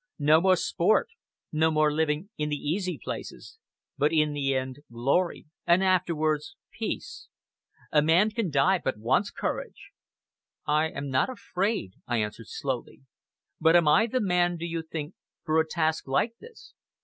No more sport, no more living in the easy places. But in the end glory and afterwards peace. A man can die but once, Courage!" "I am not afraid," I answered slowly. "But am I the man, do you think, for a task like this?"